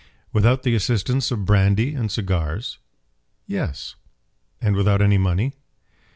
"Without the assistance of brandy and cigars." "Yes." "And without any money."